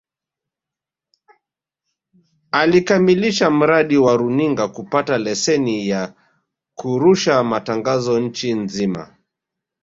Alikamilisha mradi wa runinga kupata leseni ya kurusha matangazo nchi nzima